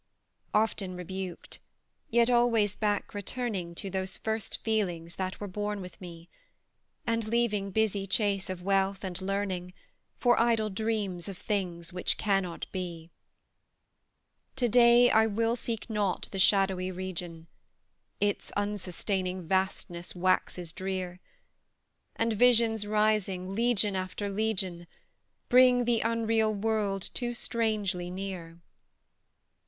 Often rebuked, yet always back returning To those first feelings that were born with me, And leaving busy chase of wealth and learning For idle dreams of things which cannot be: To day, I will seek not the shadowy region; Its unsustaining vastness waxes drear; And visions rising, legion after legion, Bring the unreal world too strangely near.